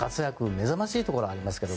目覚ましいところありますけど。